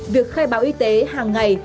việc khai báo y tế hàng ngày